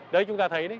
đấy chúng ta thấy đấy